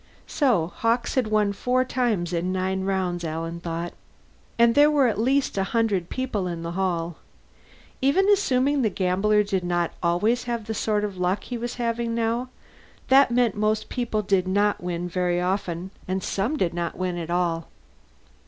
So Hawkes had won four times in nine rounds, Alan thought. And there were at least a hundred people in the hall. Even assuming the gambler did not always have the sort of luck he was having now, that meant most people did not win very often, and some did not win at all.